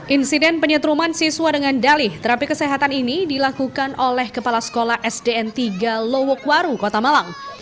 insiden penyetruman siswa dengan dalih terapi kesehatan ini dilakukan oleh kepala sekolah sdn tiga lowokwaru kota malang